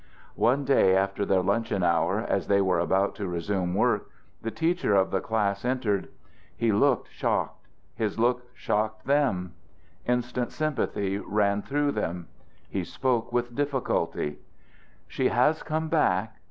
One day after their luncheon hour, as they were about to resume work, the teacher of the class entered. He looked shocked; his look shocked them; instant sympathy ran through them. He spoke with difficulty: "She has come back.